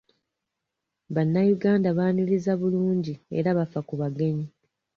Bannayuganda baaniriza bulungi era bafa ku bagenyi.